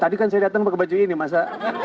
tadi kan saya datang pakai baju ini masa